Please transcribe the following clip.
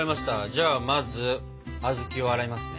じゃあまず小豆を洗いますね。